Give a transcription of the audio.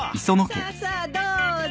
さあさあどうぞ。